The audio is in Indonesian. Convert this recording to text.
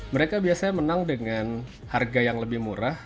mereka biasanya menang dengan harga yang lebih murah